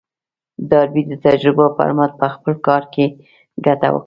ډاربي د تجربو پر مټ په خپل کار کې ګټه وکړه.